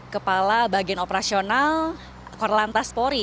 kepala bagian operasional korlantas polri